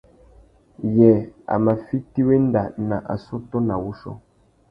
Yê a mà fiti wenda nà assôtô nà wuchiô?